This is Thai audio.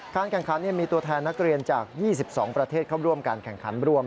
แข่งขันมีตัวแทนนักเรียนจาก๒๒ประเทศเข้าร่วมการแข่งขันร่วม